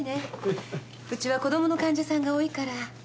うちは子供の患者さんが多いから。